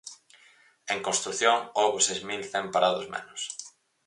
En construción houbo seis mil cen parados menos.